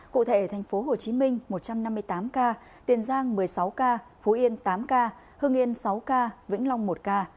cụ thể thành phố hồ chí minh một trăm năm mươi tám ca tiền giang một mươi sáu ca phú yên tám ca hưng yên sáu ca vĩnh long một ca